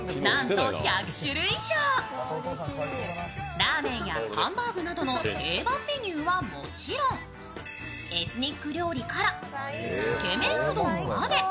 ラーメンやハンバーグなどの定番メニューはもちろん、エスニック料理からつけめんうどんまで。